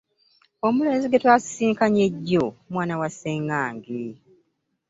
Omulenzi gwe twasisinkanye jjo mwana wa Ssengange.